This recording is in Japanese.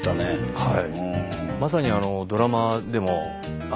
はい。